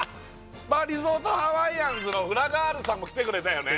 スパリゾートハワイアンズのフラガールさんも来てくれたよね